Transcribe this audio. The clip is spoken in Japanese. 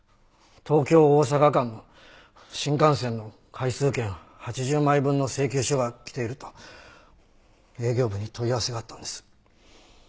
東京・大阪間の新幹線の回数券８０枚分の請求書がきていると営業部に問い合わせがあったんです。